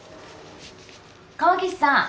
川岸さん。